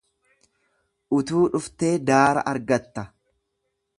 Utuu dhuftee daara argatta.